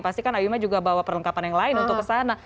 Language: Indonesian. pasti kan ayuma juga bawa perlengkapan yang lain untuk ke sana